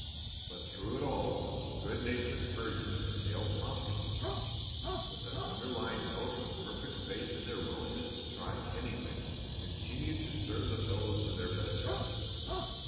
But through it all, the good natured urgence of Dale Tompkins, with that underlying note of perfect faith in their willingness to try anything, continued to stir the fellows to their best efforts.